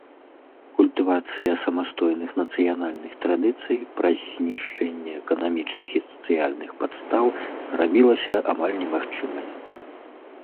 Культывацыя самастойных нацыянальных традыцый, праз знішчэнне эканамічных і сацыяльных падстаў, зрабілася амаль немагчымая.